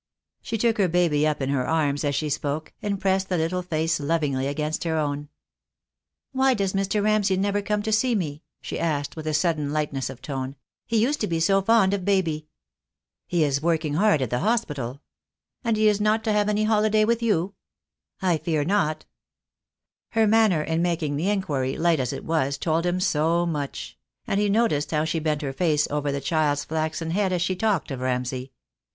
She took her baby up in her arms as she spoke, and pressed the little face lovingly against her own. "Why does Mr. Ramsay never come to see me?" she asked with a sudden lightness of tone. "He used to be so fond of baby." "He is working hard at the hospital." "And is he not to have any holiday with you?" THE DAY WILT, COME. 2 89 "I fear not." Her manner in making the inquiry, light as it was, told him so much; and he noticed how she bent her face over the child's flaxen head as she talked of Ramsay.